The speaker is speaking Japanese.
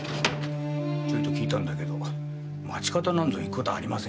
ちょいと聞いたけど町方に行くことはありませんよ。